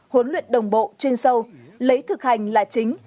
huấn luyện đồng bộ chuyên sâu lấy thực hành là chính